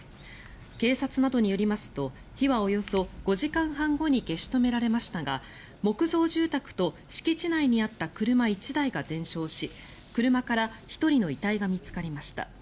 警察などによりますと火はおよそ５時間半後に消し止められましたが木造住宅と敷地内にあった車１台が全焼し車から１人の遺体が見つかりました。